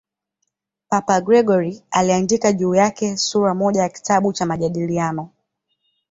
Papa Gregori I aliandika juu yake sura moja ya kitabu cha "Majadiliano".